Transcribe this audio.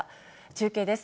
中継です。